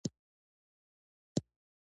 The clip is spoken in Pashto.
ښځه د ارامۍ او مینې بښونکې ده.